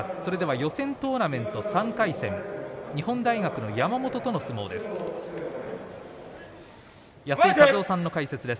予選トーナメント３回戦日本大学の山本との相撲です。